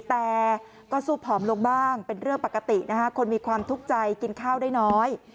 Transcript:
แต่ก็สู้ผอมลงบ้างเป็นเรื่องปกตินะคะคนมีความทุกข์ใจกินข้าวได้น้อย